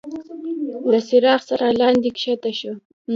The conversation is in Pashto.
له څراغ سره لاندي کښته شو.